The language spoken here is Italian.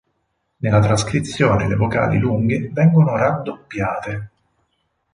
Nella trascrizione le vocali lunghe vengono raddoppiate.